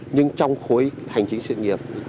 nhưng trong khối hành trình sự nghiệp